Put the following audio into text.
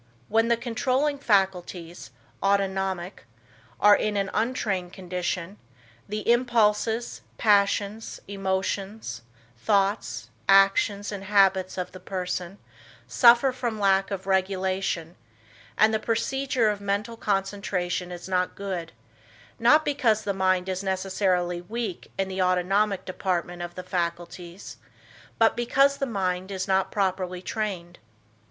When the controlling faculties (autonomic) are in an untrained condition, the impulses, passions, emotions, thoughts, actions and habits of the person suffer from lack of regulation, and the procedure of mental concentration is not good, not because the mind is necessarily weak in the autonomic department of the faculties, but because the mind is not properly trained.